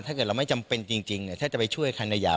ถ้าเกิดเราไม่จำเป็นจริงถ้าจะไปช่วยคันขยะ